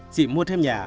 chị mua thêm nhà